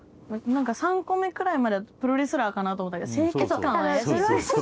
３個目くらいまではプロレスラーかなと思ったけど清潔感清潔感は怪しい。